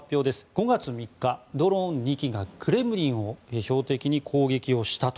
５月３日、ドローン２機がクレムリンを標的に攻撃をしたと。